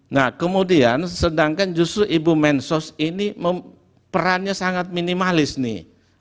nah kemudian sedangkan justru ibu mensos ini perannya sangat minimalis nih